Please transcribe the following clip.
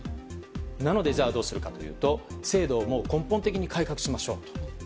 なので、どうするかというと制度を根本的に改革しましょうと。